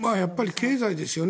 経済ですよね。